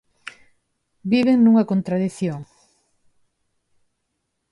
Viven nunha contradición.